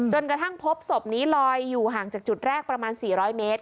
กระทั่งพบศพนี้ลอยอยู่ห่างจากจุดแรกประมาณ๔๐๐เมตร